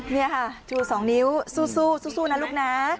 นี่ค่ะชู๒นิ้วสู้นะลูกนะ